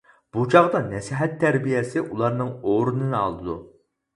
بۇ چاغدا نەسىھەت تەربىيەسى ئۇلارنىڭ ئورنىنى ئالىدۇ.